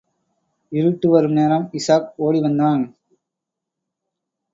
இருட்டு வரும் நேரம், இஷாக் ஒடி வந்தான்.